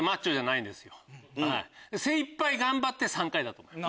精いっぱい頑張って３回だと思います。